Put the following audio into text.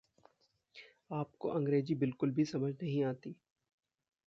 आपको अंग्रेज़ी बिलकुल भी समझ नहीं आती।